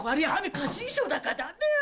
貸衣装だからダメよ